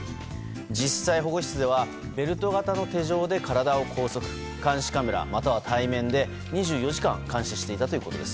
実際、保護室ではベルト型の手錠で体を拘束監視カメラまたは対面で２４時間監視していたということです。